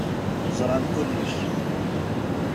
Ẓran kulec.